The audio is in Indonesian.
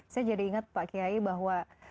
saya jadi ingat pak kiai bahwa